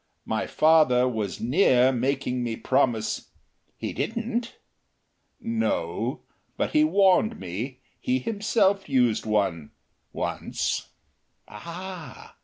My father was near making me promise " "He didn't?" "No. But he warned me. He himself used one once." "Ah!...